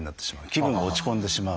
気分が落ち込んでしまう。